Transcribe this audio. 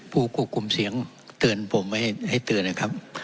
ผู้ควบคุมเสียงเตือนผมไว้ให้เตือนนะครับ